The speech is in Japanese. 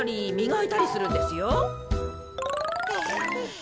え。